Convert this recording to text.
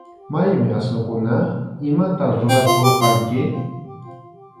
¿Maymi asnukuna? ¿Imatam rurarqurqanki?